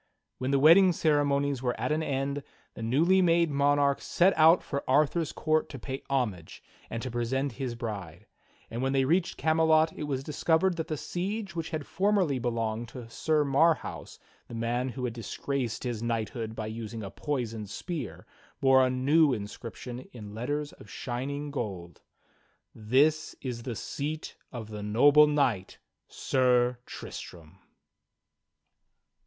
When the wedding ceremonies were at an end, the newly made monarch set out for Arthur's court to pay homage and to present his bride; and when they reached Camelot it was discovered that the siege which had formerly belonged to Sir Marhaus, the man who had disgraced his knighthood by using a poisoned spear, bore a new inscription in letters of shining gold: "Tins IS THE Seat of the Noble Kxight, Sir Tristram."